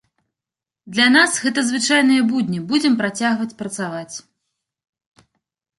Для нас гэта звычайныя будні, будзем працягваць працаваць.